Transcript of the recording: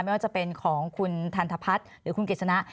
ไม่ว่าจะเป็นของคุณทันทพัฒน์หรือคุณกฤษณะ